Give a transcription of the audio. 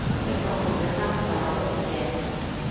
一個唔小心就玩到半夜